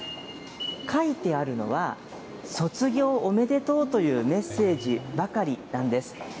書いてあるのは、卒業おめでとうというメッセージばかりなんです。